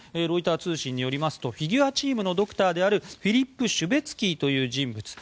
ロイター通信によりますとフィギュアチームのドクターであるフィリップ・シュベツキーという人物